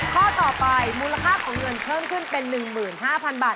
ข้อต่อไปมูลค่าของเงินเพิ่มขึ้นเป็น๑๕๐๐๐บาท